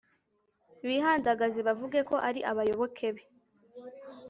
bihandagaza bavuga ko ari abayoboke be